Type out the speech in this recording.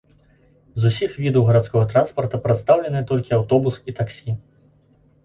З усіх відаў гарадскога транспарта прадстаўленыя толькі аўтобус і таксі.